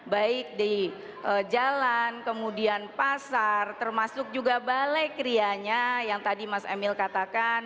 baik di jalan kemudian pasar termasuk juga balai krianya yang tadi mas emil katakan